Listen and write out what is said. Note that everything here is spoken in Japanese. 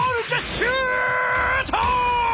シュート！